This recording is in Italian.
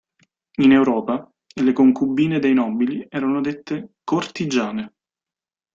In Europa, le concubine dei nobili erano dette "cortigiane".